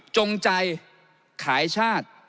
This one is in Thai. จงใจขายชาติ